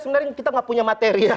sebenarnya kita nggak punya materi ya